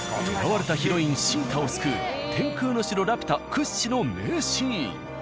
囚われたヒロイン・シータを救う「天空の城ラピュタ」屈指の名シーン。